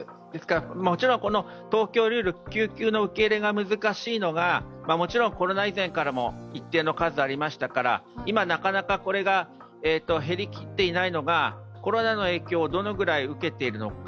もちろん東京ルール、救急の受け入れが難しいのはコロナ以前からも一定の数ありましたから、今、なかなかこれが減りきっていないのがコロナの影響をどのくらい受けているのか